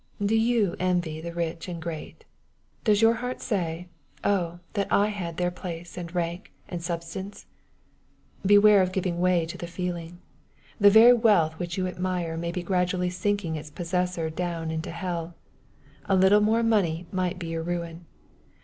Do you envy the rich and gi eat ? Does your heart say, "Oh I that I had their place, and rank, and sub stance ?" Beware of giving way to the feeling. The very wealth which you admire may be gradually sinking its possessor down into hell. A little more money might be your ruin.